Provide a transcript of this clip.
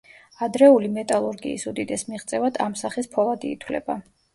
ადრეული მეტალურგიის უდიდეს მიღწევად ამ სახის ფოლადი ითვლება.